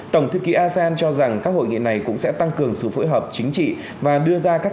tổng thư ký asean cho rằng các hội nghị này cũng sẽ tăng cường sự phối hợp chính trị và đưa ra các